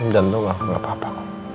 jantung aku gak apa apa